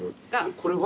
これは？